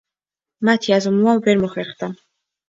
მათი აზომვა ვერ მოხერხდა.